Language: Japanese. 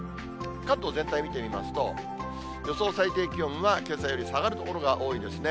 関東全体見てみますと、予想最低気温はけさより下がる所が多いですね。